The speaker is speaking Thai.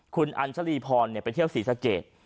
คุณอัญชรีพรไปเที่ยวศรีสะเกด